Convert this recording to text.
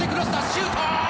シュート！